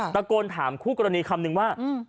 ตะโกนถามคู่กรณีคำนึงว่า